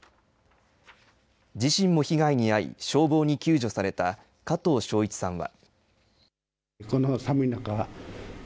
自身も被害に遭い、消防に救助された加藤省一さんは。